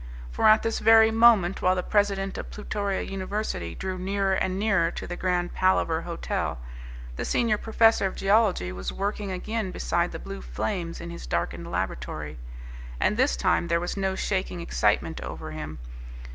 For at this very moment, while the president of Plutoria University drew nearer and nearer to the Grand Palaver Hotel, the senior professor of geology was working again beside the blue flames in his darkened laboratory. And this time there was no shaking excitement over him.